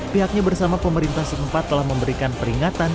pihaknya bersama pemerintah setempat telah memberikan peringatan